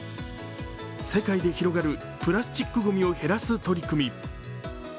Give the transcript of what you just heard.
世界で広がるプラスチックごみを減らす取り組み。